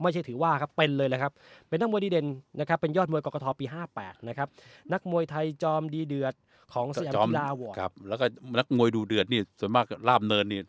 ไม่ใช่ถือว่าเป็นเลยจริงนะครับ